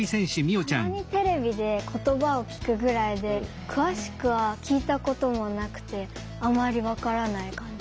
たまにテレビで言葉を聞くぐらいで詳しくは聞いたこともなくてあまり分からない感じです。